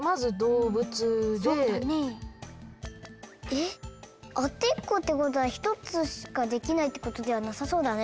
えっあてっこってことはひとつしかできないってことではなさそうだね。